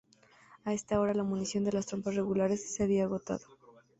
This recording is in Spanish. A esa hora la munición de las tropas regulares se había agotado.